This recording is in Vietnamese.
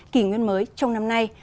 kỷ nguyên mới trong năm nay